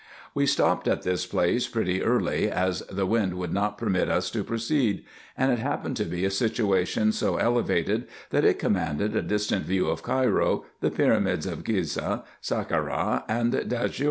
We stopped at this place pretty early, as the wind would not permit us to pro ceed ; and it happened to be a situation so elevated, that it com manded a distant view of Cairo, the pyramids of Ghizeh, Saccara, and Dajior.